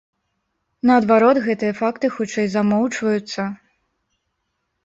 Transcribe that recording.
Наадварот, гэтыя факты хутчэй замоўчваюцца.